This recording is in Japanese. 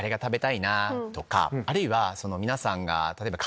あるいは皆さんが。